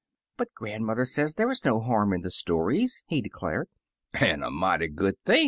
'' But grandmother says there is no harm in the stories," he declared. , "An' a mighty good thing!"